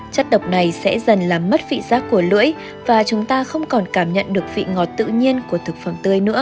chất độc này sẽ dần làm mất vị giác của lưỡi và chúng ta không còn cảm nhận được vị ngọt tự nhiên của thực phẩm tươi nữa